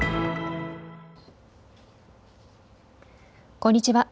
こんにちは。